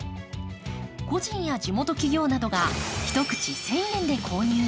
個人や地元企業などが一口１０００円で購入。